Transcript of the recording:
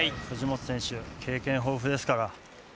藤本選手経験豊富ですから。